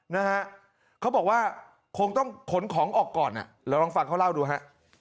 นะฮะเขาบอกว่าคงต้องขนของออกก่อนอ่ะเดี๋ยวลองฟังเขาเล่าดูฮะ